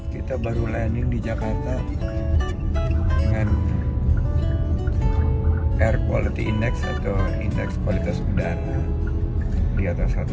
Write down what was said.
kita baru landing di jakarta dengan air quality index atau indeks kualitas udara di atas satu